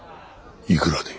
いくらで？